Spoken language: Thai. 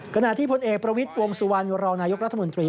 ขณะที่พลเอกประวิทย์วงสุวรรณรองนายกรัฐมนตรี